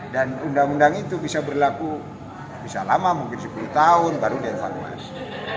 dan undang undang itu bisa berlaku bisa lama mungkin sepuluh tahun baru dia evaluasi